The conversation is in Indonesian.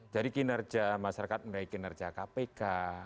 jadi kinerja masyarakat memiliki kinerja kpk